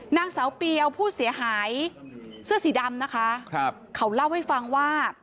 นางสาวเปียวผู้เสียหายเสื้อสีดำนะคะครับเขาเล่าให้ฟังว่า